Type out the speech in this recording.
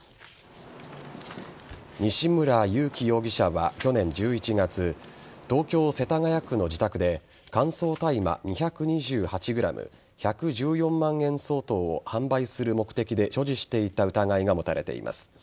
西村雄貴容疑者は去年１１月東京・世田谷区の自宅で乾燥大麻２２８ｇ１１４万円相当を販売する目的で所持していた疑いが持たれています。